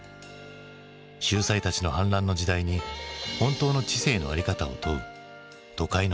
秀才たちの反乱の時代に本当の知性の在り方を問う都会の青年の姿。